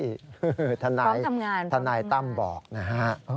พร้อมทำงานพร้อมทำงานนะครับส่วนทนายตั้มบอกนะฮะ